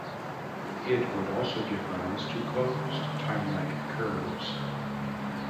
It would also give rise to closed timelike curves.